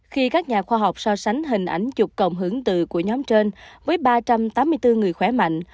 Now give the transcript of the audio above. khi các nhà khoa học so sánh hình ảnh chụp cộng hưởng từ của nhóm trên với ba trăm tám mươi bốn người khỏe mạnh